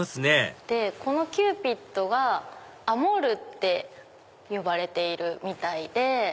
このキューピッドがアモルって呼ばれているみたいで。